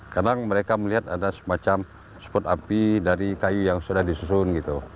kadang mereka melihat ada semacam spot api dari kayu yang sudah disusun gitu